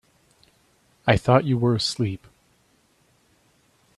I thought you were asleep.